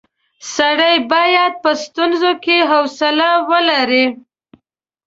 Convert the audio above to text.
سړی باید په ستونزو کې حوصله ولري.